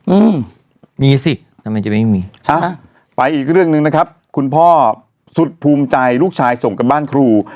อืมมีสิทำไมจะไม่มีอ่ะไปอีกเรื่องหนึ่งนะครับคุณพ่อสุดภูมิใจลูกชายส่งกลับบ้านครู